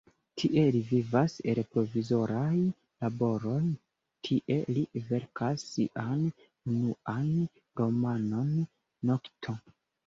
Tie li vivas el provizoraj laboroj, tie li verkas sian unuan romanon "Nokto".